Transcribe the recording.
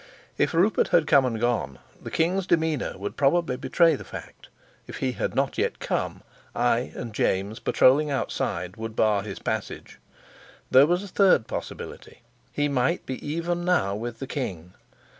If Rupert had come and gone, the king's demeanor would probably betray the fact; if he had not yet come, I and James, patrolling outside, would bar his passage. There was a third possibility; he might be even now with the king.